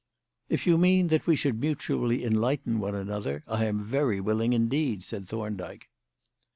"If you mean that we should mutually enlighten one another, I am very willing indeed," said Thorndyke.